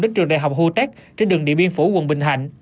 đến trường đại học hutech trên đường địa biên phủ quận bình thạnh